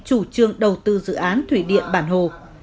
chủ trương đầu tư dự án thủy điện bản hồ